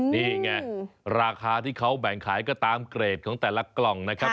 นี่ไงราคาที่เขาแบ่งขายก็ตามเกรดของแต่ละกล่องนะครับ